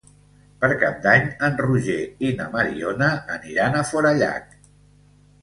Per Cap d'Any en Roger i na Mariona aniran a Forallac.